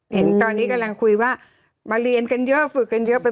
เห็นตอนนี้กำลังคุยว่ามาเรียนกันเยอะฝึกกันเยอะไป